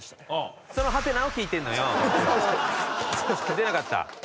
出なかった？